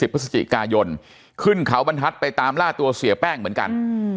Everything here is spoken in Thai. พฤศจิกายนขึ้นเขาบรรทัศน์ไปตามล่าตัวเสียแป้งเหมือนกัน